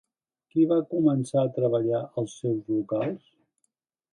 Qui va començar a treballar als seus locals?